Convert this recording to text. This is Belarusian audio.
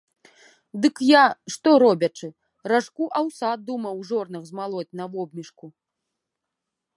Дык я, што робячы, ражку аўса думаў у жорнах змалоць на вобмешку.